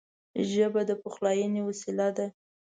ژبه د پخلاینې وسیله ده